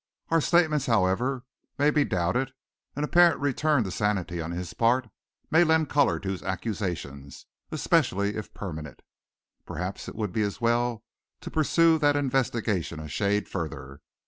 Our statements, however, may be doubted. An apparent return to sanity on his part may lend colour to his accusations, especially if permanent. Perhaps it would be as well to pursue that investigation a shade further.